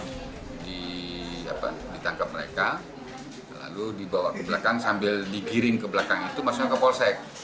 kemudian ditangkap mereka lalu dibawa ke belakang sambil digiring ke belakang itu masuknya ke polsek